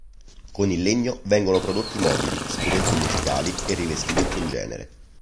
Con il legno vengono prodotti mobili, strumenti musicali e rivestimenti in genere.